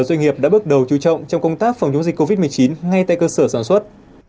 doanh nghiệp đã bước đầu chú trọng trong công tác phòng chống dịch covid một mươi chín ngay tại cơ sở sản xuất